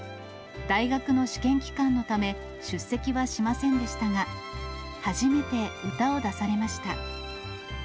大学の試験期間のため、出席はしませんでしたが、初めて歌を出されました。